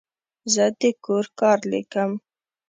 زه د کور کار لیکم.